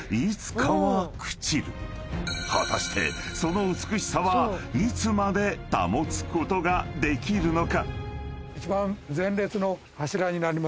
［果たしてその美しさはいつまで保つことができるのか？］